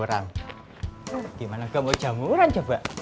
durunya wanita baru juga ibu